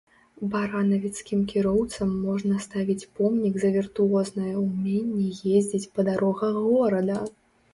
Баранавіцкім кіроўцам можна ставіць помнік за віртуознае ўменне ездзіць па дарогах горада!